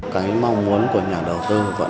cái mong muốn của nhà đầu tư vẫn